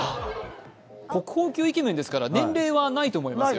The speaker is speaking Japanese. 国宝級イケメンですから、年齢はないと思いますよ。